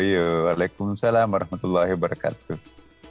waalaikumsalam warahmatullahi wabarakatuh